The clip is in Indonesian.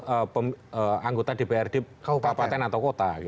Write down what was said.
apa itu anggota dprd kabupaten atau kota gitu